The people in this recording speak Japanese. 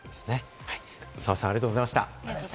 澤さん、ありがとうございました。